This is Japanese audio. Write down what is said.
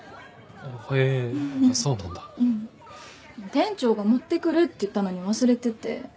店長が持ってくるって言ったのに忘れてて。